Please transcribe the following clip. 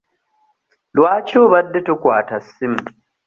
Lwaki obadde tokwata ssimu?